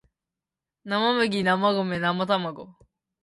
生麦生卵生卵